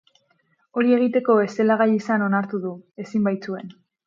Hori egiteko ez zela gai izan onartu du, ezin baitzuen.